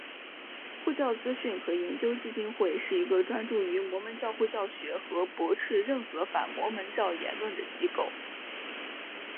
护教资讯和研究基金会是一个专注于摩门教护教学和驳斥任何反摩门教言论的机构。